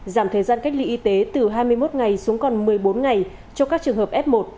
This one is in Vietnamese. giảm thời gian cách ly y tế từ hai mươi một ngày xuống còn một mươi bốn ngày cho các trường hợp f một